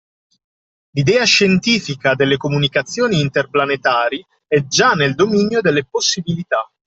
L’idea scientifica delle comunicazioni interplanetari è già nel dominio delle possibilità